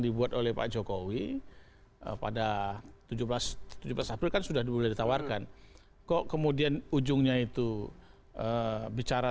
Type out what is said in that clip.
dibuat oleh pak jokowi pada tujuh belas tujuh belas april kan sudah ditawarkan kok kemudian ujungnya itu bicara